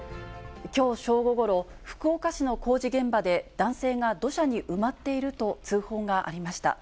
きょう正午ごろ、福岡市の工事現場で、男性が土砂に埋まっていると通報がありました。